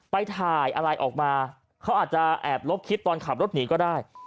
ไปถ่ายอะไรออกมาเขาอาจจะแอบลบคลิปตอนขับรถหนีก็ได้